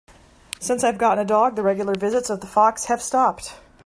Since I've gotten a dog, the regular visits of the fox have stopped.